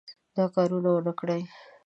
دا کار ونه کړي.